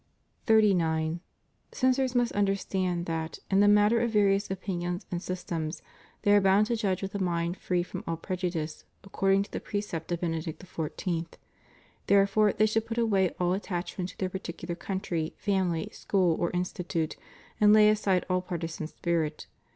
39. Censors must understand that, in the matter of various opinions and systems, they are bound to judge with a mind free from all prejudice, according to the precept of Benedict XIV. Therefore they should put away all attaclmient to their particular country, family, school, or institute, and lay aside all partisan spirit.